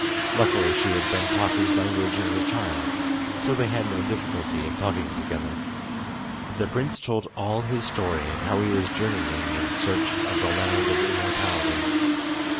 Luckily she had been taught his language as a child, so they had no difficulty in talking together. The prince told all his story and how he was journeying in search of the Land of Immortality.